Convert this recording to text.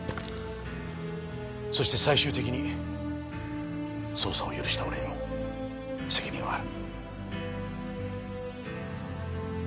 そして最終的に捜査を許した俺にも責任はある。